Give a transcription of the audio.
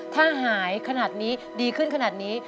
ถ้าหายขนาดนี้ดีขึ้นขนาดนี้